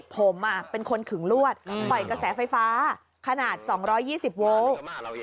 ผมเป็นคนขึงลวดปล่อยกระแสไฟฟ้าขนาด๒๒๐โวลต์